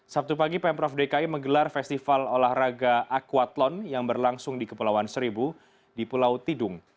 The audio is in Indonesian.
sabtu pagi pemprov dki menggelar festival olahraga aquathlon yang berlangsung di kepulauan seribu di pulau tidung